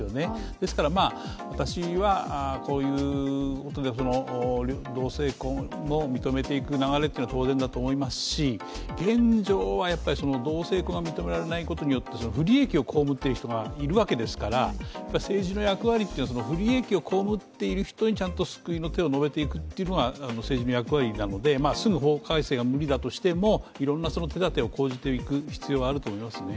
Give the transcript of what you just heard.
ですから私はこういうことで同性婚を認めていく流れというのは当然だと思いますし現状は、やっぱり同性婚が認められないことによって、不利益を被っている人がいるわけですから政治の役割って不利益を被っている人にちゃんと救いの手をのべていくというのが政治の役割なので、すぐ法改正が無理だとしても、いろんな手だてを講じていく必要があると思いますね。